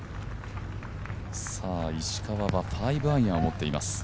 石川は５アイアンを持っています。